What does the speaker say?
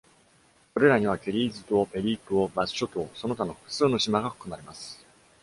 それらには、ケリーズ島、ペリー島、バス諸島、その他の複数の島が含まれます。